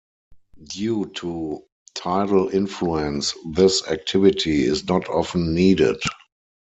Due to tidal influence, this activity is not often needed.